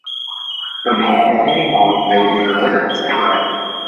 不過我都希望係另外一個人寫嘅